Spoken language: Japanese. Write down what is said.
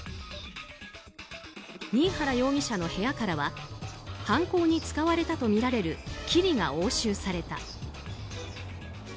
新原容疑者の部屋からは犯行に使われたとみられるキリが押収された。